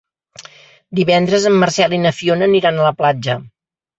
Divendres en Marcel i na Fiona aniran a la platja.